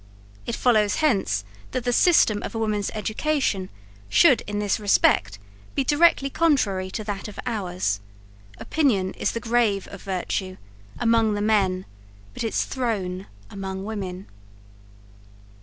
It follows hence, that the system of a woman's education should, in this respect, be directly contrary to that of ours. Opinion is the grave of virtue among the men; but its throne among women."